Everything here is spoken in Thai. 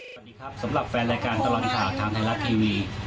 สวัสดีครับสำหรับแฟนรายการตลอดข่าวทางไทยรัฐทีวี